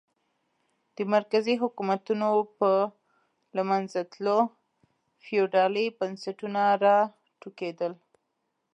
د مرکزي حکومتونو په له منځه تلو فیوډالي بنسټونه را وټوکېدل.